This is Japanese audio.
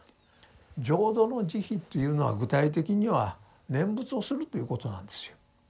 浄土の慈悲というのは具体的には念仏をするということなんですよ。